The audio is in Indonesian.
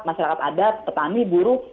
masyarakat adat petani buruh